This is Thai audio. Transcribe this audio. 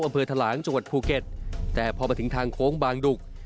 ทะลางจังหวัดภูเก็ตแต่พอมาถึงทางโค้งบางดุก